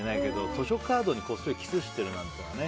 図書カードにこっそりキスしてるなんてね。